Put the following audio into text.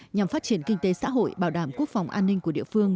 nhằm phát triển kinh tế xã hội bảo đảm quốc phòng an ninh của địa phương